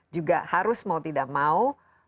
juga harus mau tidak mau